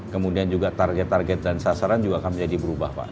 kemudian juga target target dan sasaran juga akan menjadi berubah pak